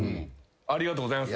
ありがとうございます。